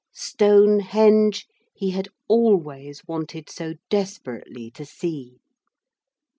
Stonehenge he had always wanted so desperately to see.